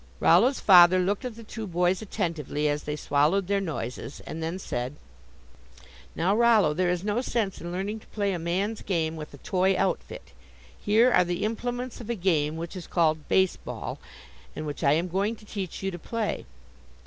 Rollo's father looked at the two boys attentively as they swallowed their noises, and then said: "Now, Rollo, there is no sense in learning to play a man's game with a toy outfit. Here are the implements of a game which is called base ball, and which I am going to teach you to play."